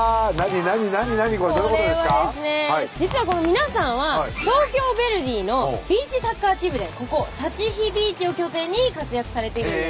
実は皆さんは東京ヴェルディのビーチサッカーチームでここタチヒビーチを拠点に活躍されているんです